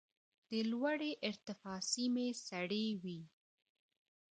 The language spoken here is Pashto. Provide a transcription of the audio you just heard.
د لوړې ارتفاع سیمې سړې وي.